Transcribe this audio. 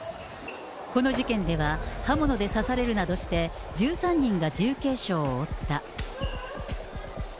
この事件では刃物で刺されるなどして、１３人が重軽傷を負った。